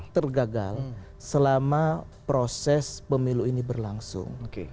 tergagal selama proses pemilu ini berlangsung